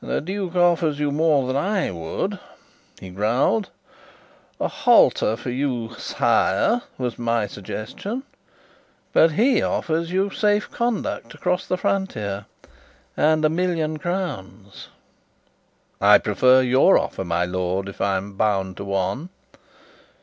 "The duke offers you more than I would," he growled. "A halter for you, sire, was my suggestion. But he offers you safe conduct across the frontier and a million crowns." "I prefer your offer, my lord, if I am bound to one."